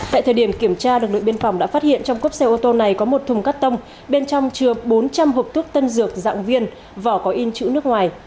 tại thời điểm kiểm tra lực lượng biên phòng đã phát hiện trong cốp xe ô tô này có một thùng cắt tông bên trong chứa bốn trăm linh hộp thuốc tân dược dạng viên vỏ có in chữ nước ngoài